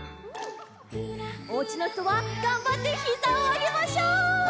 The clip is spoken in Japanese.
おうちのひとはがんばってひざをあげましょう！